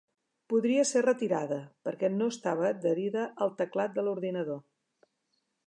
Podria ser retirada, perquè no estava adherida al teclat de l'ordinador.